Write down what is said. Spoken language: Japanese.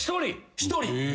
１人。